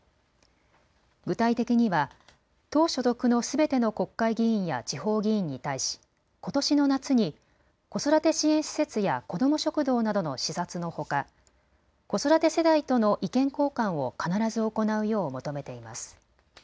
具体的には党所属のすべての国会議員や地方議員に対しことしの夏に子育て支援施設やこども食堂などの視察のほか子育て世代との意見交換を必ず行うよう求めています。